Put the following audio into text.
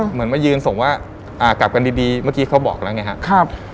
เหมือนมายืนส่งว่ากลับกันดีเมื่อกี้เขาบอกแล้วไงครับ